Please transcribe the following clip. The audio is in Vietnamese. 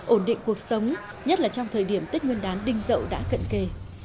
ổn định cuộc sống nhất là trong thời điểm tết nguyên đán đinh dậu đã cận kề